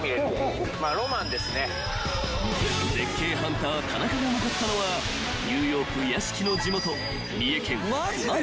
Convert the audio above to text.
［絶景ハンター田中が向かったのはニューヨーク屋敷の地元］